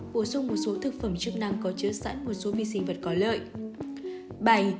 bộ sông một số thực phẩm chức năng có chứa sẵn một số vi sinh vật có lợi